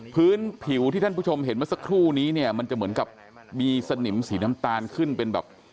พื้นผิวที่ท่านผู้ชมเห็นเมื่อสักครู่นี้เนี่ยมันจะเหมือนกับมีสนิมสีน้ำตาลขึ้นเป็นแบบ